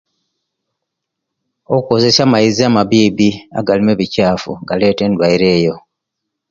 Okozesya amaizi amabibi agalimu ebikyafu galeta endwaire eyo